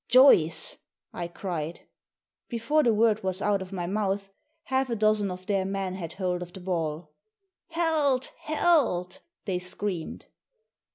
"Joyce!" I cried. Before the word was out of my mouth half a dozen of their men had hold of the ball " Held ! held !" they screamed.